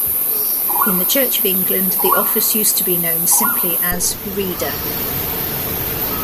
In the Church of England, the office used to be known simply as Reader.